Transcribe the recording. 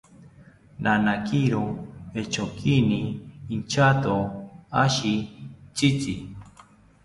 Nanakiro echonkini inchato ashi tzitzi